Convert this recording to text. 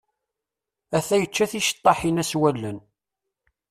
Ata yečča ticeṭṭaḥin-a s wallen.